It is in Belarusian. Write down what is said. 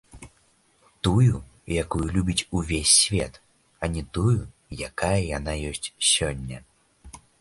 Тую, якую любіць увесь свет, а не тую, якая яна ёсць сёння.